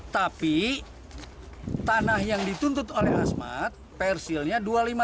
tapi tanah yang dituntut oleh asmat persilnya dua ratus lima puluh